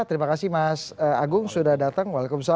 terima kasih mas agung sudah datang